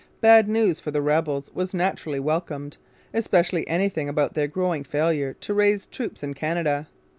Bad news for the rebels was naturally welcomed, especially anything about their growing failure to raise troops in Canada.